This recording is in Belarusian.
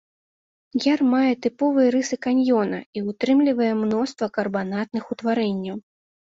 Яр мае тыповыя рысы каньёна і ўтрымлівае мноства карбанатных утварэнняў.